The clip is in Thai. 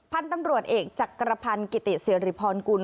พันธุ์ตำรวจเอกจักรพันธ์กิติสิริพรกุล